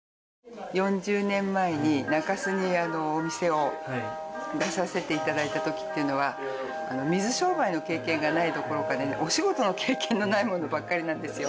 ４０年前に中洲にお店を出させていただいた時っていうのは水商売の経験がないどころかねお仕事の経験のない者ばっかりなんですよ